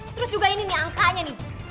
terus juga ini nih angkanya nih